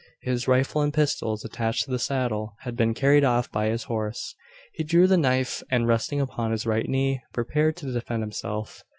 His rifle and pistols, attached to the saddle, had been carried off by his horse. He drew the knife; and, resting upon his right knee, prepared to defend himself.